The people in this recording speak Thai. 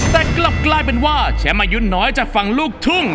แต่กลับกลายเป็นว่าแชมป์อายุน้อยจากฝั่งลูกทุ่ง